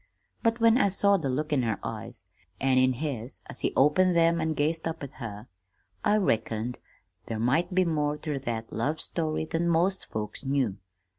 But when I saw the look in her eyes, an' in his as he opened them an' gazed up at her, I reckoned there might be more ter that love story than most folks knew.